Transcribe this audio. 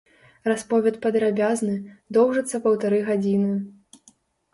Расповед падрабязны, доўжыцца паўтары гадзіны.